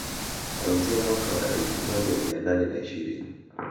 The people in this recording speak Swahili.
Kuanzia mwaka wa elfu moja mia nane na ishirini